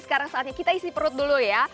sekarang saatnya kita isi perut dulu ya